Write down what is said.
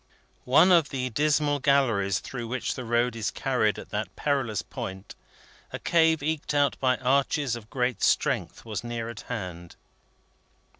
One of the dismal galleries through which the road is carried at that perilous point, a cave eked out by arches of great strength, was near at hand.